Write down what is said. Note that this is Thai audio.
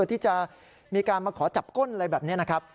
ที่จะมีการมาขอจับก้นอะไรแบบนี้นะครับ